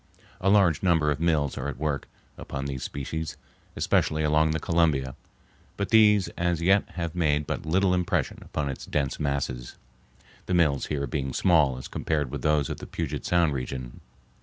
A large number of mills are at work upon this species, especially along the Columbia, but these as yet have made but little impression upon its dense masses, the mills here being small as compared with those of the Puget Sound region.